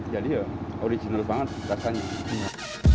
jadi ya original banget rasanya